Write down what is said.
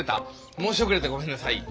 申し遅れてごめんなさい。